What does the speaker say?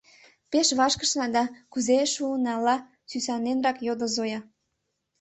— Пеш вашкышна да, кузе шуын ала?.. — сӱсаненрак йодо Зоя.